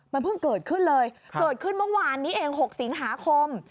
มันเพิ่งเกิดขึ้นเลยเกิดขึ้นเมื่อวานนี้เอง๖สิงหาคม